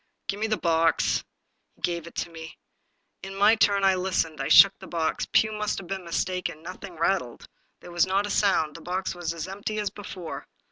*' Give me the box." He gave it me. In my turn, I listened. I shook the box. Pugh must have been mis taken. Nothing rattled; there was not a sound; the box was as empty as before.